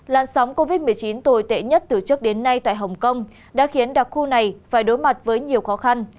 vì vậy dịch covid một mươi chín tồi tệ nhất từ trước đến nay tại hong kong đã khiến đặc khu này phải đối mặt với nhiều khó khăn